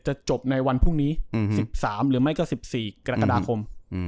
จบในวันพรุ่งนี้๑๓หรือไม่ก็๑๔กรกฎาคม